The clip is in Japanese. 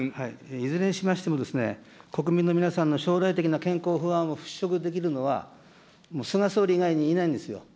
いずれにしましても、国民の皆さんの将来的な健康不安を払拭できるのは、菅総理以外にいないんですよ。